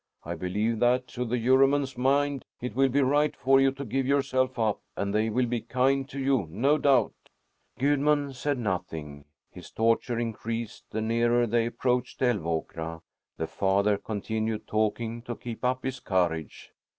I believe that, to the Juryman's mind, it will be right for you to give yourself up, and they will be kind to you, no doubt." Gudmund said nothing. His torture increased the nearer they approached Älvåkra. The father continued talking to keep up his courage.